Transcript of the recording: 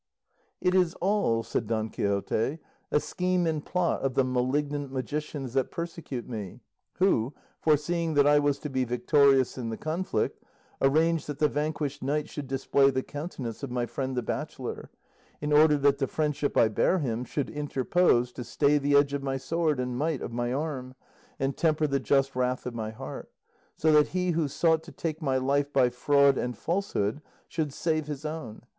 "It is all," said Don Quixote, "a scheme and plot of the malignant magicians that persecute me, who, foreseeing that I was to be victorious in the conflict, arranged that the vanquished knight should display the countenance of my friend the bachelor, in order that the friendship I bear him should interpose to stay the edge of my sword and might of my arm, and temper the just wrath of my heart; so that he who sought to take my life by fraud and falsehood should save his own.